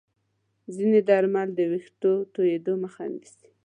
ځینې درمل د ویښتو د توییدو مخه نیسي.